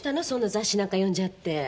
そんな雑誌なんか読んじゃって。